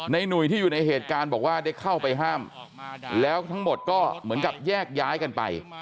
หนุ่ยที่อยู่ในเหตุการณ์บอกว่าได้เข้าไปห้ามแล้วทั้งหมดก็เหมือนกับแยกย้ายกันไป